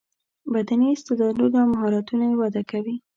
بدني استعداونه او مهارتونه یې وده کوي.